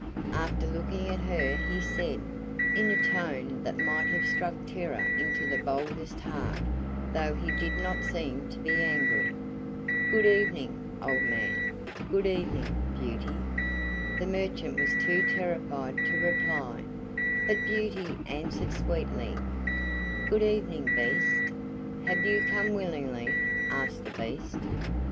After looking at her he said, in a tone that might have struck terror into the boldest heart, though he did not seem to be angry: "Good evening, old man. Good evening, Beauty." The merchant was too terrified to reply, but Beauty answered sweetly: "Good evening, Beast." "Have you come willingly?" asked the Beast.